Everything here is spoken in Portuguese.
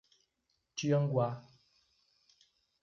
Tianguá